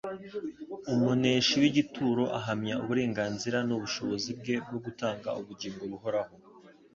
umuneshi w'igituro, ahamya uburenganzira n'ubushobozi bwe bwo gutanga ubugingo buhoraho.